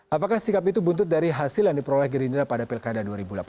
apakah sikap itu buntut dari hasil yang diperoleh gerindra pada pilkada dua ribu delapan belas